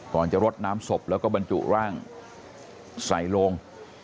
ก่อนจะรดน้ำศพแล้วก็บรรจุร่างใส่ลง